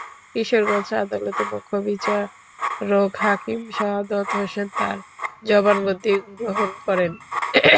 কিশোরগঞ্জ আদালতের মুখ্য বিচারিক হাকিম শাহাদত হোসেন তাঁর জবানবন্দি গ্রহণ করেন।